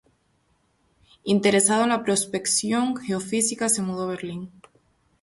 Interesado en la prospección geofísica se mudó a Berlín.